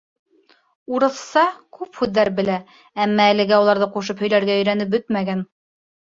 Урыҫса күп һүҙҙәр белә, әммә әлегә уларҙы ҡушып һөйләргә өйрәнеп бөтмәгән.